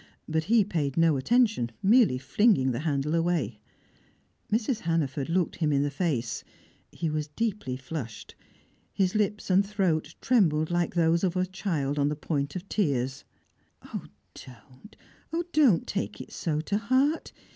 But he paid no attention, merely flinging the handle away. Mrs. Hannaford looked him in the face; he was deeply flushed; his lips and his throat trembled like those of a child on the point of tears. "Don't! Oh, don't take it so to heart!